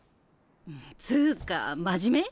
つぅか真面目？